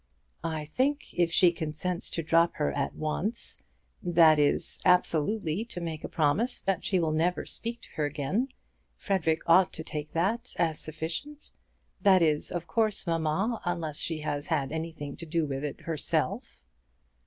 "I think if she consents to drop her at once, that is, absolutely to make a promise that she will never speak to her again, Frederic ought to take that as sufficient. That is, of course, mamma, unless she has had anything to do with it herself."